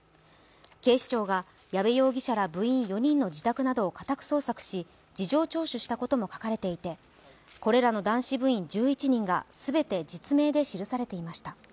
警視庁が矢部容疑者ら部員４人の自宅などを家宅捜索し事情聴取したことも書かれていて、これらの男子部員１１人がすべて実名で記されていました。